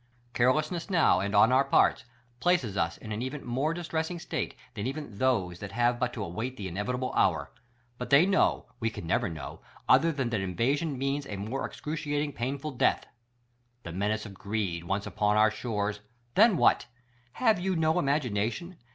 Carelessness now, and on our parts, places us in an even more distressing state than even those that have but to await the inevitable hour. But they know — we can never know — other than that invasion means a more excruciating, painful death. The menace of greed, once upon our shores — then what? Have you no imagination?